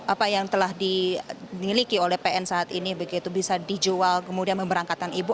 apa yang telah dimiliki oleh pn saat ini begitu bisa dijual kemudian memberangkatkan ibu